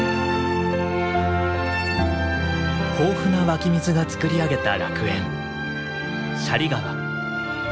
豊富な湧き水が作り上げた楽園斜里川。